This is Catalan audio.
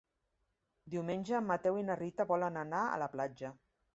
Diumenge en Mateu i na Rita volen anar a la platja.